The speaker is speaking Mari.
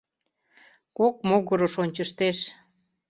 Кок могырыш ончыштеш.